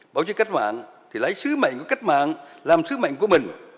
báo chí cách mạng thì lấy sứ mệnh của cách mạng làm sứ mệnh của mình